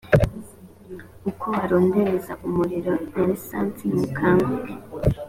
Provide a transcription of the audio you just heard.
uko warondereza umuriro na lisansi nimukanguke